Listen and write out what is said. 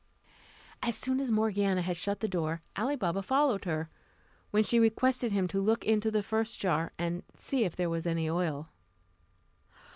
As soon as Morgiana had shut the door, Ali Baba followed her, when she requested him to look into the first jar, and see if there was any oil.